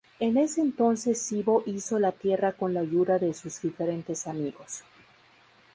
En ese entonces Sibö hizo la tierra con la ayuda de sus diferentes amigos.